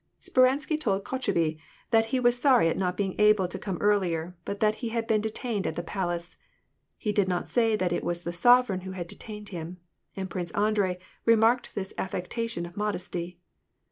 Speransky told Kotchubey that he was sorry at not being able to come earlier, but that he had been detained at the palace. He did not say that it was the sovereign who had detained him. And Prince Andrei remarked this affectation of modesty.